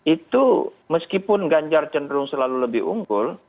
itu meskipun ganjar cenderung selalu lebih unggul